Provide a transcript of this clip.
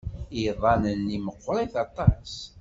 Iḍan-nni meɣɣrit aṭas.